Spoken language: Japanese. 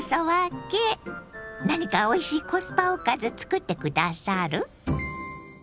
何かおいしいコスパおかずつくって下さる？